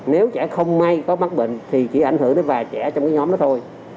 nếu trẻ không may có mắc bệnh thì chỉ ảnh hưởng tới vài trẻ trong nhóm đó thôi